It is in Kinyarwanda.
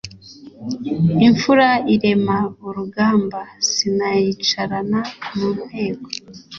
imfura irema urugamba sinayicarana mu nteko